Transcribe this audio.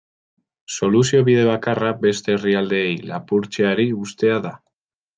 Soluzio bide bakarra beste herrialdeei lapurtzeari uztea da.